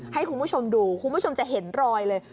ให้คุณผู้ชมดูคุณผู้ชมจะเห็นรอยเลย